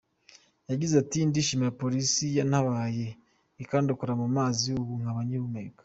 Yagize ati "Ndashimira Polisi yantabaye ikandohora mu mazi ubu nkaba ngihumeka.